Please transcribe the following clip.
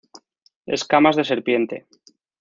Escamas de serpiente